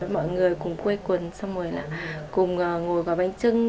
mọi người cùng quê quần xong rồi là cùng ngồi gói bánh trưng